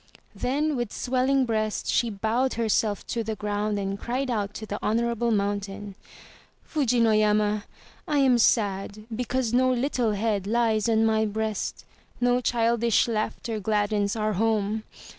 Then, with swelling breast, she bowed herself to the ground and cried out to the Honorable Mountain: "Fuji no yama, I am sad because no little head lies on my breast, no childish laughter gladdens our home.